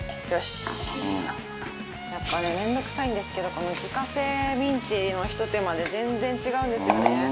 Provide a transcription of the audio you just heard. やっぱね面倒くさいんですけどこの自家製ミンチのひと手間で全然違うんですよね。